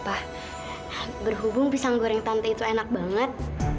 wah berhubung pisang goreng tante itu enak banget